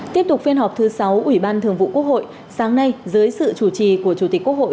tiếp tục phiên họp thứ sáu ủy ban thường vụ quốc hội sáng nay dưới sự chủ trì của chủ tịch quốc hội